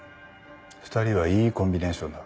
２人はいいコンビネーションだ。